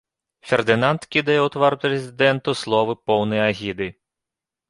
Фердынанд кідае ў твар прэзідэнту словы, поўны агіды.